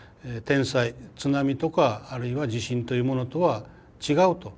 天災津波とかあるいは地震というものとは違うと。